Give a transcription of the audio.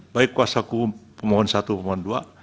baik kuasa hukum pemohon satu pemohon dua